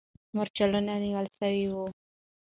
مرچلونه نیول سوي وو.